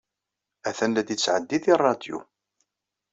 Atan la d-yettɛeddi deg ṛṛadyu.